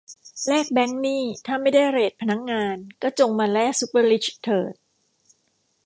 แลกแบงค์นี่ถ้าไม่ได้เรทพนักงาน ก็จงมาแลกซุปเปอร์ริชเถิด